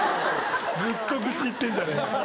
ずっと愚痴言ってんじゃねえか。